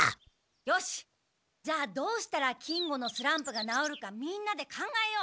よしじゃあどうしたら金吾のスランプが直るかみんなで考えよう。